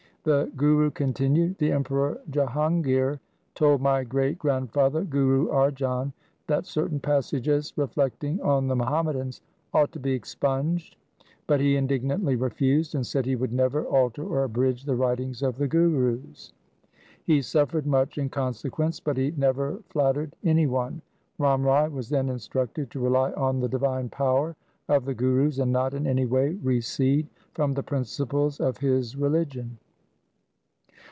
The Guru continued, ' The Emperor J ah angir told my great grandfather Guru Arjan, that certain passages reflect ing on the Muhammadans ought to be expunged, but he indignantly refused, and said he would never alter or abridge the writings of the Gurus. He suffered much in consequence, but he never flattered any one.' Ram Rai was then instructed to rely on the divine power of the Gurus, and not in any way recede from the principles of his religion.